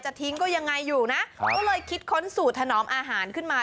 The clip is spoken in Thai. ทิ้งก็ยังไงอยู่นะก็เลยคิดค้นสูตรถนอมอาหารขึ้นมา